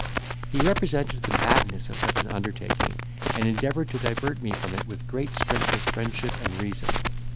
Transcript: He represented the madness of such an undertaking, and endeavoured to divert me from it with great strength of friendship and reason.